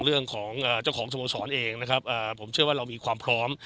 เรื่องของเจ้าของสโมสรเองนะครับผมเชื่อว่าเรามีความพร้อม